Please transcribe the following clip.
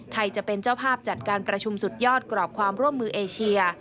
จะเป็นเจ้าภาพจัดการประชุมสุดยอดกรอบความร่วมมือเอเชีย